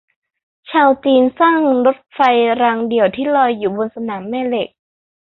ชาวจีนสร้างรถไฟรางเดี่ยวที่ลอยอยู่บนสนามแม่เหล็ก